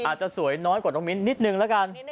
อาจจะสวยน้อยกว่าน้องมิ้นนิดนึงแล้วกัน